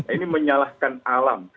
ini menyalahkan alam